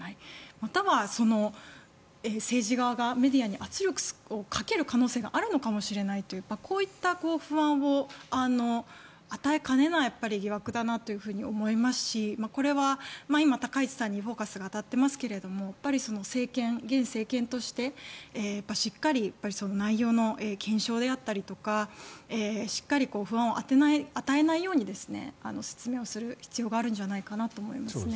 またはその政治側がメディアに圧力をかける可能性があるのかもしれないというこういった不安を与えかねない疑惑だなというふうに思いますしこれは今、高市さんにフォーカスが当たっていますが現政権として、しっかり内容の検証であったりとかしっかり、不安を与えないように説明をする必要があるんじゃないかなと思います。